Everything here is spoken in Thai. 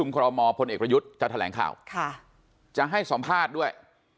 คพยจะแถลงข่าวจะให้สัมภาษณ์ด้วย